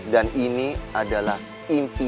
dan ini adalah impianmu